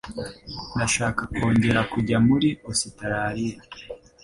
Ndashaka kongera kujya muri Ositaraliya